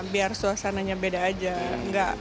biar suasananya beda aja